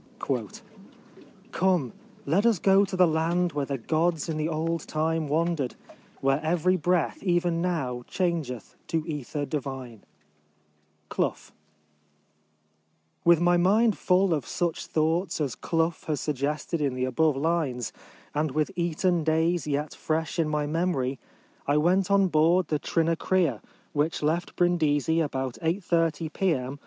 1 Come, let us go to the land where the gods in the old time wandered, Where every breath even now changeth to ether divine 1 "— CLOOOH. WITH my mind full of such thoughts as Clough has suggested in the above lines, and with Eton days yet fresh in my memory, I •went on board the Trinacria, which left Brindisi about 8.30 P.M.